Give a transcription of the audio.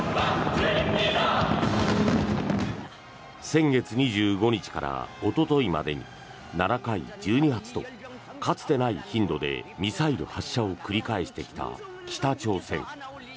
先月２５日からおとといまでに７回、１２発とかつてない頻度でミサイル発射を繰り返してきた北朝鮮。